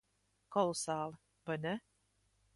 Kolosāli. Vai ne?